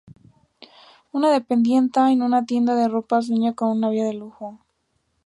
Una dependienta en una tienda de ropa sueña con una vida de lujo.